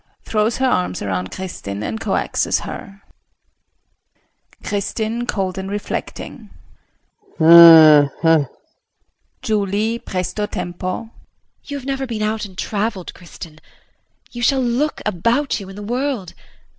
[Throws her arms around Kristin and coaxes her]. KRISTIN [Cold and reflecting]. Hm hm! JULIE [Presto tempo]. You have never been out and traveled, Kristin. You shall look about you in the world.